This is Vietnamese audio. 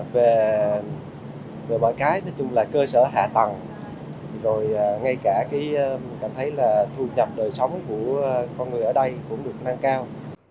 về mọi cái nói chung là cơ sở hạ tầng rồi ngay cả mình cảm thấy là thu nhập đời sống của con người ở đây cũng được nâng cao